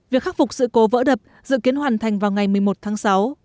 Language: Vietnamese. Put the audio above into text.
việc khắc phục sự cố vỡ đập dự kiến hoàn thành vào ngày một mươi một tháng sáu